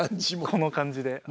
この感じで？